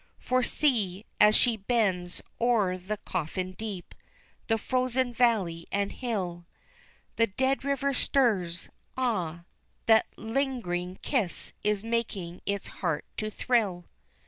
For see, as she bends o'er the coffin deep the frozen valley and hill The dead river stirs, Ah, that ling'ring kiss is making its heart to thrill!